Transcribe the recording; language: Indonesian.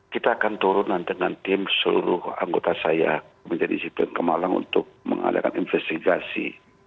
kita akan turun nanti dengan tim seluruh anggota saya menjadi disiplin ke malang untuk mengadakan investigasi